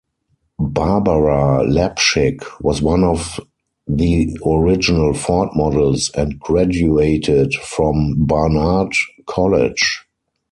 Barbara Lapchick was one of the original Ford models and graduated from Barnard College.